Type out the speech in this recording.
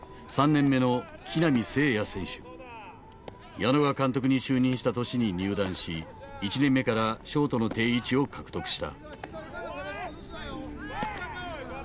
矢野が監督に就任した年に入団し１年目からショートの定位置を獲得した。